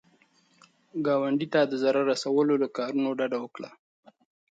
ګاونډي ته د ضرر رسولو له کارونو ډډه وکړه